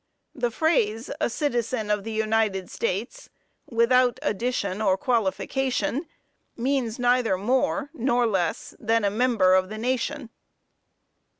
The phrase, 'a citizen of the United States,' without addition or qualification, means neither more nor less than a member of the nation."